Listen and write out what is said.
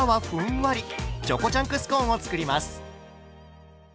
チョコチャンクスコーンを作ります。